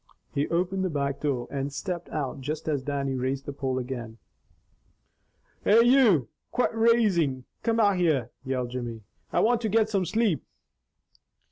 He opened the back door and stepped out just as Dannie raised the pole again. "Hey, you! Quit raisin' Cain out there!" yelled Jimmy. "I want to get some sleep."